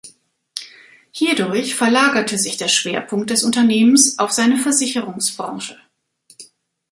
Hierdurch verlagerte sich der Schwerpunkt des Unternehmens auf seine Versicherungsbranche.